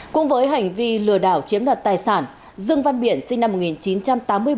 cũng với hành vi lừa đảo chiếm đoạt tài sản dương văn biển sinh năm một nghìn chín trăm tám mươi bảy